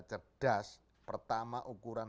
cerdas pertama ukuran